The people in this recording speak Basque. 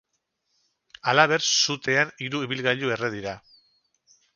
Halaber, sutean hiru ibilgailu erre dira.